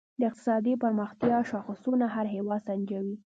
د اقتصادي پرمختیا شاخصونه هر هېواد سنجوي.